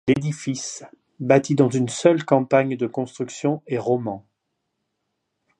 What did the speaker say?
L'édifice, bâti dans une seule campagne de construction est roman.